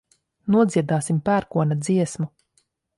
Nodziedāsim pērkona dziesmu.